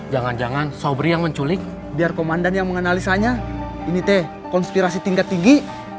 jangan jangan sobri yang menculik biar komandan yang menganalisanya ini teh konspirasi tingkat tinggi